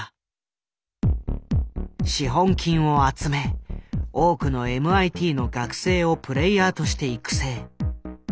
資本金を集め多くのＭＩＴの学生をプレイヤーとして育成。